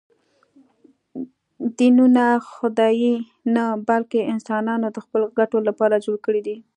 دینونه خدای نه، بلکې انسانانو د خپلو ګټو لپاره جوړ کړي دي